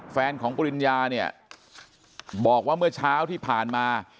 แฟนของปริญญาเนี่ยบอกว่าเมื่อเช้าที่ผ่านมา